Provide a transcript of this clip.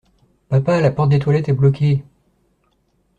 Papa la porte des toilettes est bloquée!